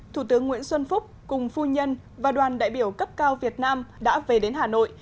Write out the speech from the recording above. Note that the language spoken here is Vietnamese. thủ tướng nguyễn xuân phúc cùng phu nhân và đoàn đại biểu cấp cao việt nam đã về đến hà nội